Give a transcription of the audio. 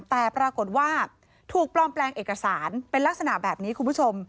แต่ปรากฏว่าถูกปลอมแปลงเอกสารเป็นลักษณะแบบนี้คุณผู้ชม